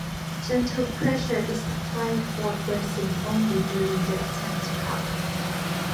Gentle pressure is applied for bracing only during the attempt to cough.